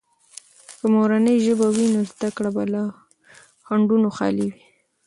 که مورنۍ ژبه وي، نو زده کړه به له خنډونو خالي وي.